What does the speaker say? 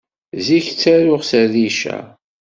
Zik ttaruɣ s rrica.